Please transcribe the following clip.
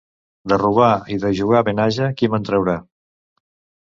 De robar i de jugar benhaja qui me'n traurà.